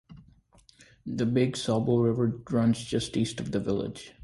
The Big Sauble River runs just east of the village.